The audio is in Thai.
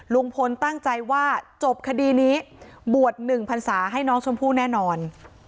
ลุงพลตั้งใจว่าจบคดีนี้บวช๑พันศาให้น้องชมพู่แน่นอน